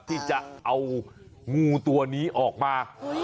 ที่จะเอางูตัวนี้ออกมา